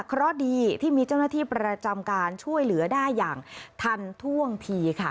เพราะดีที่มีเจ้าหน้าที่ประจำการช่วยเหลือได้อย่างทันท่วงทีค่ะ